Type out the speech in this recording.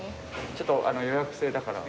ちょっと予約制だから。